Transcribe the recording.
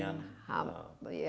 ya hari nganyian